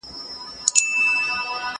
سبزیجات د مور له خوا وچول کيږي،